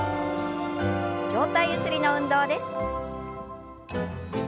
上体ゆすりの運動です。